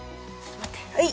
はい。